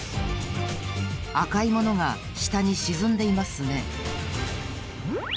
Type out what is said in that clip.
赤いものがしたにしずんでいますね。